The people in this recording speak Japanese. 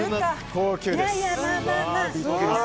高級です。